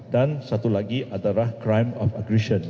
dan satu lagi adalah crime of aggression